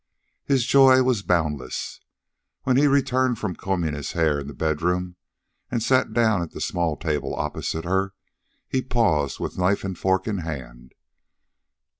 His joy was boundless. When he returned from combing his hair in the bedroom and sat down at the small table opposite her, he paused with knife and fork in hand.